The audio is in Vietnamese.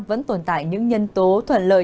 vẫn tồn tại những nhân tố thuận lợi